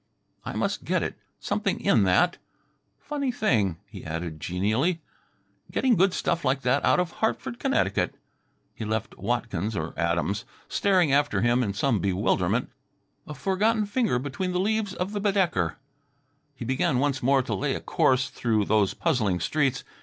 "I must get it something in that. Funny thing," he added genially, "getting good stuff like that out of Hartford, Connecticut." He left Watkins or Adams staring after him in some bewilderment, a forgotten finger between the leaves of the Badaeker. He began once more to lay a course through those puzzling streets.